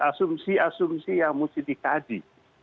asumsi asumsi yang mesti dikaji